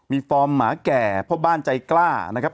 มีฟอร์มหมาแก่พ่อบ้านใจกล้านะครับ